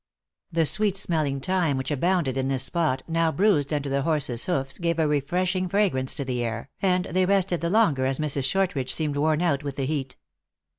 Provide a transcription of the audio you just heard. The sweet smelling thyme, which abounded in this spot, now bruised under the horses hoofs, gave a refreshing fragrance to the air, and they rested the longer, as Mrs. Shortridge seemed worn out with the heat.